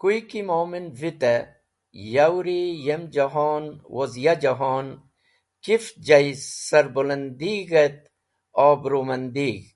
Kuy ki mu’min vite, yow’ri yem jahon woz ya jahon kifch jay sarbũlandig̃h et obrumandig̃h.